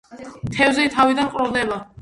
თევზი თავიდან ყროლდება.